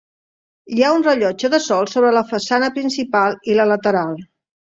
Hi ha un rellotge de sol sobre la façana principal i la lateral.